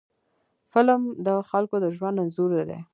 فلم د خلکو د ژوند انځور دی